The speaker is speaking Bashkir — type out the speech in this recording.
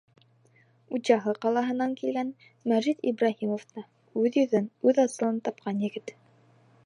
Учалы ҡалаһынан килгән Мәжит Ибраһимов та — үҙ йөҙөн, үҙ асылын тапҡан егет.